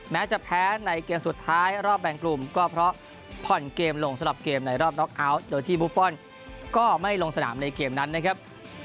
แม้จะแพ้ในเกมสุดท้ายรอบแบ่งกลุ่มก็เพราะผ่อนเกมลงสำหรับเกมในรอบน็อกเอาท์โดยที่บุฟฟอลก็ไม่ลงสนามในเกมนั้นนะครับ